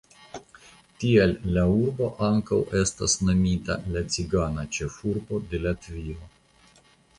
Tial la urbo ankaŭ estas nomita la cigana ĉefurbo de Latvio.